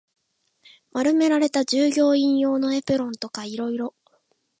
丸められた従業員用のエプロンとか色々